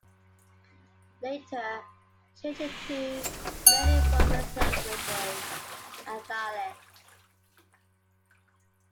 Later, changed into in many Romance languages and dialects.